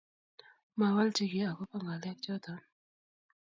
mawalchi kii ako ba ngalek choton